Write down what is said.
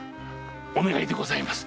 お願いでございます